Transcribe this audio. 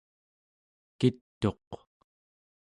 kit'uq